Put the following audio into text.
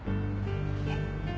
えっ？